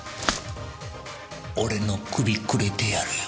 俺の首くれてやるよ。